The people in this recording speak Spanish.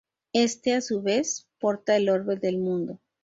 Este, a su vez, porta el orbe del mundo.